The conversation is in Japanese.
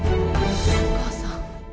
お義母さん。